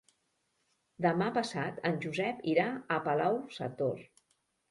Demà passat en Josep irà a Palau-sator.